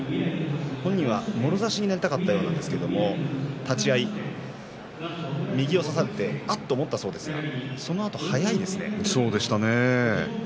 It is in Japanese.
本人はもろ差しになりたかったようなんですけれど立ち合い右を差されて、あっと思ったそうですがそうですね。